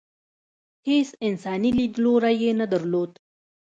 هېڅ انساني لیدلوری یې نه درلود.